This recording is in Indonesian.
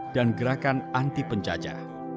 dan gerakan anti penjajah